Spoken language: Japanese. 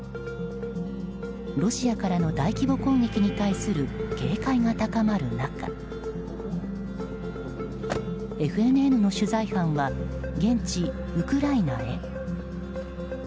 ロシアからの大規模攻撃に対する警戒が高まる中ＦＮＮの取材班は現地ウクライナへ。